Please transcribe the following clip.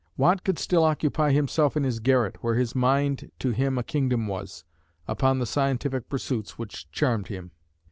Watt could still occupy himself in his garret, where his "mind to him a Kingdom was," upon the scientific pursuits which charmed him.